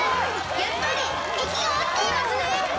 やっぱり息が合っていますね